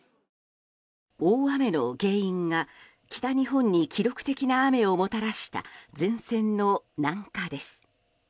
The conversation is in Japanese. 大雨の原因が北日本に記録的な雨をもたらした前線の南下です。